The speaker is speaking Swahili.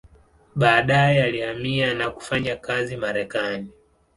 Baadaye alihamia na kufanya kazi Marekani.